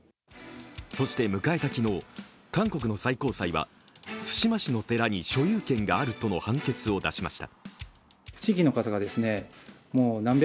そして迎えた昨日、韓国の最高裁は対馬市の寺に所有権があるとの判決を出しました。